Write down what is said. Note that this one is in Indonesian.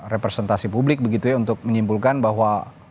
representasi publik begitu ya untuk menyimpulkan bahwa